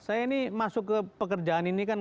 saya ini masuk ke pekerjaan ini kan